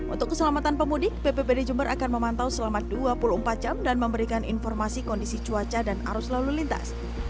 untuk keselamatan pemudik bppd jember akan memantau selama dua puluh empat jam dan memberikan informasi kondisi cuaca dan arus lalu lintas